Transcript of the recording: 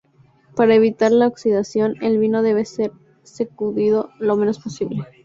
Para evitar la oxidación, el vino debe ser sacudido lo menos posible.